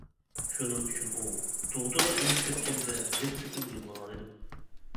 شۇنىڭ ئۈچۈن ئۇ تۇغۇتىدا ئۆلۈپ كەتكەندە يەتتە كۈن يىغلىغانىدىم.